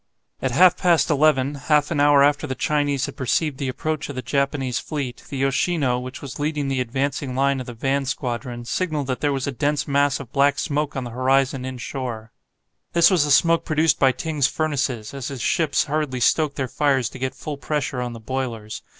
At half past eleven, half an hour after the Chinese had perceived the approach of the Japanese fleet, the "Yoshino," which was leading the advancing line of the van squadron, signalled that there was a dense mass of black smoke on the horizon inshore. This was the smoke produced by Ting's furnaces, as his ships hurriedly stoked their fires to get full pressure on the boilers.